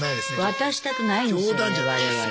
渡したくないんですよ